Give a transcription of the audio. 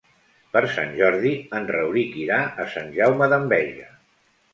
Per Sant Jordi en Rauric irà a Sant Jaume d'Enveja.